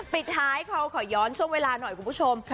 ปิดท้ายเขาขอย้อนช่วงเวลาหน่อยคุณผู้ชม